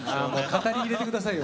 語り入れて下さいよ。